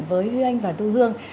với huy anh và thu hương